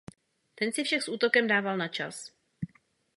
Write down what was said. Ten si však s útokem dával načas.